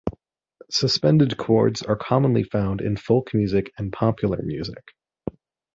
Suspended chords are commonly found in folk music and popular music.